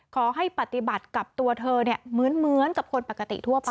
ขอให้ปฏิบัติกับตัวเธอเหมือนกับคนปกติทั่วไป